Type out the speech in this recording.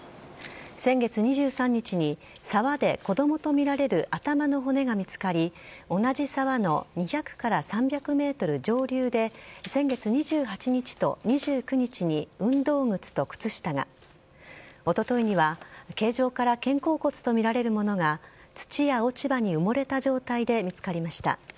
先月２３日に沢で子供とみられる頭の骨が見つかり同じ沢の２００から３００ｍ上流で先月２８日と２９日に運動靴と靴下がおとといには形状から肩甲骨とみられるものが土や落ち葉に埋もれた状態で見つかりました。